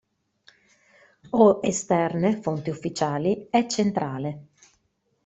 O esterne (fonti ufficiali) è centrale.